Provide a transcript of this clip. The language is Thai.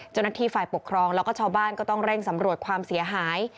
เจ้าหน้าที่ฝ่ายปกครองแล้วก็ชาวบ้านก็ต้องเร่งสำรวจความเสียหาย